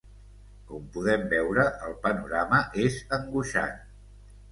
Com podem veure, el panorama és angoixant.